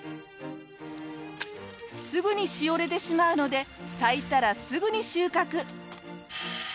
すぐにしおれてしまうので咲いたらすぐに収穫。